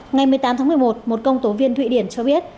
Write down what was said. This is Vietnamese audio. ngày một mươi tám tháng một mươi một một công tố viên thụy điển cho biết